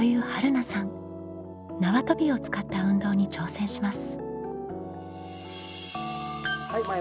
縄跳びを使った運動に挑戦します。